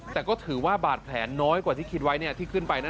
แต่ก็ถือว่าบาดแผลน้อยกว่าที่คิดไว้ที่ขึ้นไปนั้น